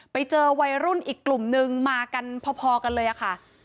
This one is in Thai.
ไปเจอวัยรุ่นอีกกลุ่มนึงมากันพอกันเลยค่ะ